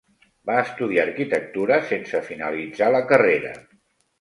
Va estudiar arquitectura, sense finalitzar la carrera.